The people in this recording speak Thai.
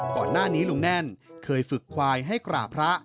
ก่อนหน้านี้ลุงแน่นเคยฝึกควายให้กราบพระ